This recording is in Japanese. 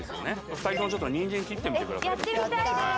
２人ともちょっとにんじん切ってみてくださいやってみたいです